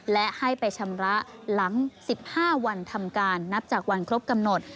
และให้ไปชำระหลัง๑๕วันทำการนับจากวันครบกำหนด